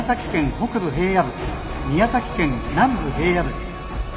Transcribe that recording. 北部平野部宮崎県南部平野部。